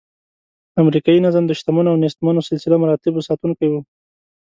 امریکایي نظم د شتمنو او نیستمنو سلسله مراتبو ساتونکی و.